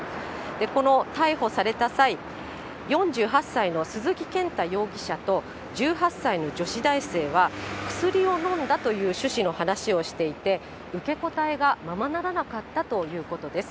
この逮捕された際、４８歳の鈴木健太容疑者と１８歳の女子大生は、薬を飲んだという趣旨の話をしていて、受け答えがままならなかったということです。